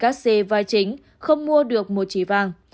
các xe vai chính không mua được một trí vàng